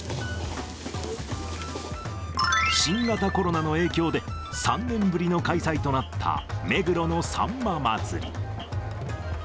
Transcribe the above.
新型コロナの影響で、３年ぶりの開催となった目黒のさんま祭。